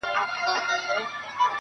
مه وايه دا چي اور وړي خوله كي.